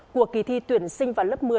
của kỳ thi tuyển sinh vào lớp một mươi